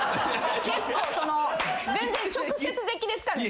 結構その全然直接的ですから。